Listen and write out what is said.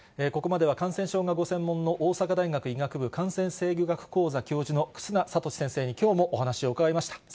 ここまでは感染症がご専門の大阪大学医学部感染制御学講座教授の忽那賢志先生にきょうもお話を伺いました。